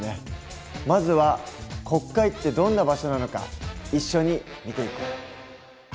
まずは国会ってどんな場所なのか一緒に見ていこう。